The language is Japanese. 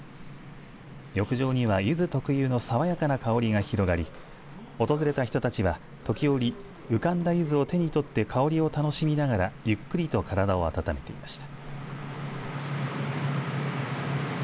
浴場には、ゆず特有の爽やかな香りが広がり訪れた人たちは時折、浮かんだゆずを手に取って香りを楽しみながらゆっくりと体を温めていました。